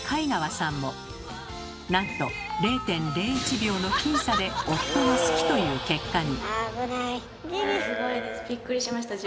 なんと０．０１秒の僅差で夫が好きという結果に。